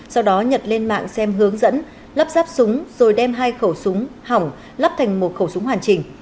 sau đó nhật lên mạng xem hướng dẫn lắp ráp súng rồi đem hai khẩu súng hỏng lắp thành một khẩu súng hoàn chỉnh